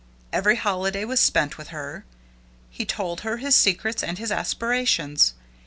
Every holiday was spent with her. He told her his secrets and his aspirations.